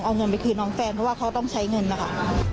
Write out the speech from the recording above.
เอาเงินไปคืนน้องแฟนเพราะว่าเขาต้องใช้เงินนะคะ